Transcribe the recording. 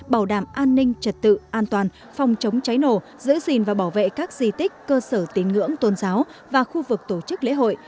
bảo đảm an ninh trật tự an toàn phòng chống cháy nổ giữ gìn và bảo vệ các di tích cơ sở tín ngưỡng tôn giáo và khu vực tổ chức lễ hội